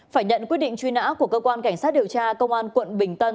phải nhận quyết định truy nã của cơ quan cảnh sát điều tra công an quận bình tân